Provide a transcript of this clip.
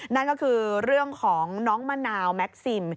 นั่นก็คือเรื่องของน้องมะนาวแม็กซิม